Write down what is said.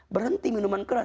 berhenti minuman keras